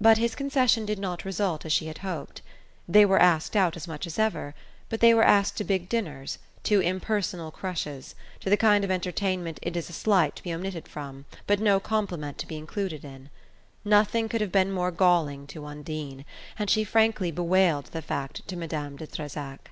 But his concession did not result as she had hoped. They were asked out as much as ever, but they were asked to big dinners, to impersonal crushes, to the kind of entertainment it is a slight to be omitted from but no compliment to be included in. Nothing could have been more galling to Undine, and she frankly bewailed the fact to Madame de Trezac.